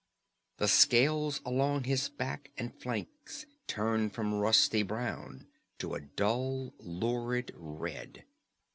The scales along his back and flanks turned from rusty brown to a dull lurid red.